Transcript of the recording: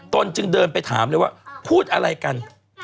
ตนจึงเดินไปถามเลยว่าพูดอะไรกัน